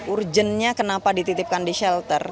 urgentnya kenapa dititipkan di shelter